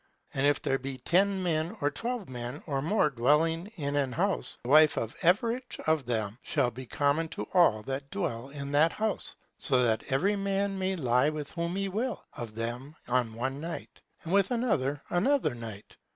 And if there be ten men or twelve men or more dwelling in an house, the wife of everych of them shall be common to them all that dwell in that house; so that every man may lie with whom he will of them on one night, and with another, another night.